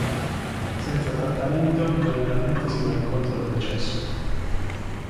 Senza trattamento, generalmente si va incontro al decesso.